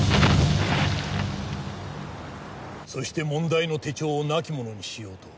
そして問題の手帳をなきものにしようと。